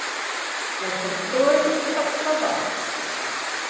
Это кто это так сказал?